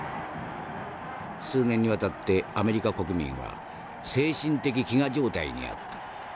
「数年にわたってアメリカ国民は精神的飢餓状態にあった。